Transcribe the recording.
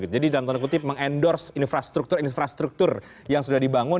jadi dalam tanda kutip mengendorse infrastruktur infrastruktur yang sudah dibangun